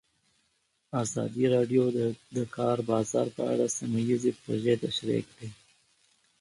ازادي راډیو د د کار بازار په اړه سیمه ییزې پروژې تشریح کړې.